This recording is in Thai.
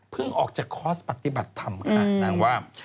เพิ่งออกจากคอร์สปฏิบัติทำค่ะนางว่า